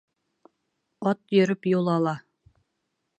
Ат йөрөп юл ала.